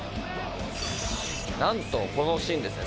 なんとこのシーンですね